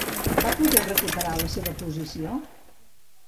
Va poder recuperar la seva posició?